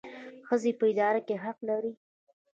ښځې په اداره کې حق لري